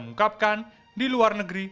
mengungkapkan di luar negeri